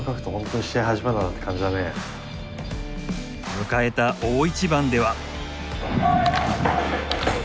迎えた大一番では。